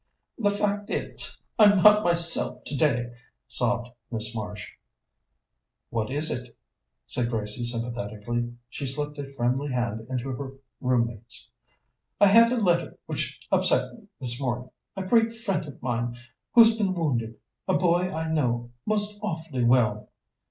"The fact is, I'm not myself today," sobbed Miss Marsh. "What is it?" said Gracie sympathetically. She slipped a friendly hand into her room mate's. "I had a letter which upset me this morning. A great friend of mine, who's been wounded a boy I know most awfully well."